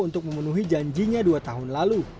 untuk memenuhi janjinya dua tahun lalu